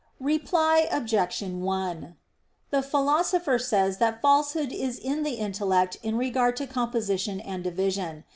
Reply Obj. 1: The Philosopher says that falsehood is in the intellect in regard to composition and division.